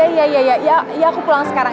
iya aku pulang sekarang